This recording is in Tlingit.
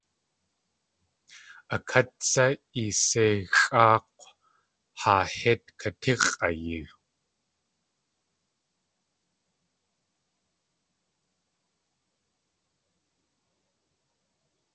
A kát tsé iseixʼáak̲w haa hít katíx̲ʼaayi!